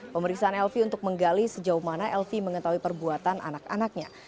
pemeriksaan elvi untuk menggali sejauh mana elvi mengetahui perbuatan anak anaknya